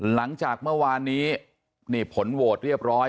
หลังจากเมื่อวานนี้นี่ผลโหวตเรียบร้อย